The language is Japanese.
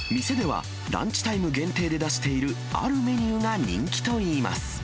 店では、ランチタイム限定で出しているあるメニューが人気といいます。